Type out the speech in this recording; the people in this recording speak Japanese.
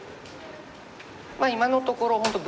今のところ本当